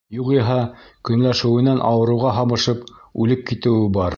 Юғиһә көнләшеүенән ауырыуға һабышып, үлеп китеүе бар.